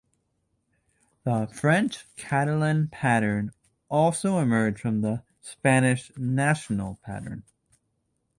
The French Catalan pattern also emerged from the Spanish National pattern.